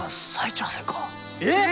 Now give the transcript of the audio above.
えっ！？